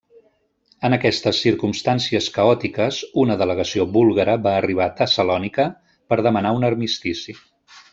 En aquestes circumstàncies caòtiques, una delegació búlgara va arribar a Tessalònica per demanar un armistici.